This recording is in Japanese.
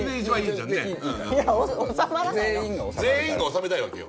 全員が収めたいわけよ。